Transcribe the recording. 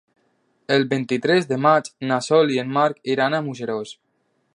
El vint-i-tres de maig na Sol i en Marc iran a Museros.